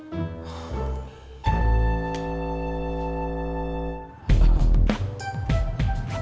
itu masalah amin bukan masalah imas